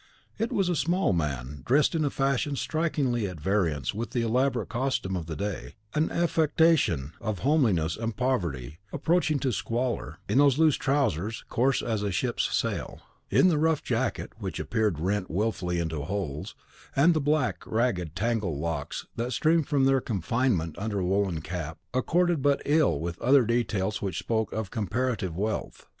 It was a small man, dressed in a fashion strikingly at variance with the elaborate costume of the day: an affectation of homeliness and poverty approaching to squalor, in the loose trousers, coarse as a ship's sail; in the rough jacket, which appeared rent wilfully into holes; and the black, ragged, tangled locks that streamed from their confinement under a woollen cap, accorded but ill with other details which spoke of comparative wealth.